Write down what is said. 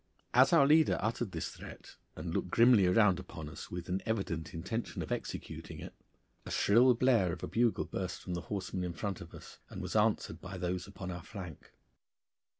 As our leader uttered this threat and looked grimly round upon us with an evident intention of executing it, a shrill blare of a bugle burst from the horsemen in front of us, and was answered by those upon our flank.